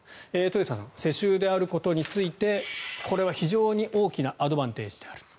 豊田さんは世襲であることについてこれは非常に大きなアドバンテージである。